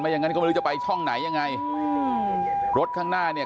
อย่างนั้นก็ไม่รู้จะไปช่องไหนยังไงอืมรถข้างหน้าเนี่ย